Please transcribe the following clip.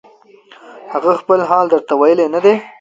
هغه خپل حال درته ویلی نه دی